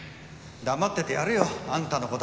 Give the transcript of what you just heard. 黙っててやるよあんたの事も。